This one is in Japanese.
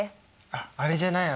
あっあれじゃない？